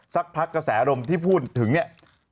สักพักกระแสลมที่พูดถึงเนี่ย